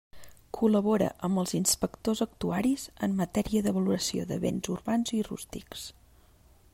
Col·labora amb els inspectors actuaris en matèria de valoració de béns urbans i rústics.